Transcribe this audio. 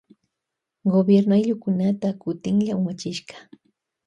Gobierno ayllukunata kutinlla umachishka.